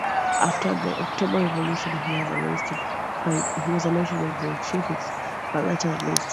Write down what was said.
After the October Revolution he was arrested by Bolsheviks, but later released.